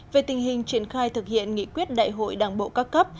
về tình hình triển khai thực hiện nghị quyết đại hội đảng bộ các cấp